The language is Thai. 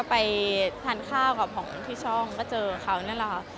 ไปทานข้าวกับของที่ช่องก็เจอเขานั่นแหละค่ะ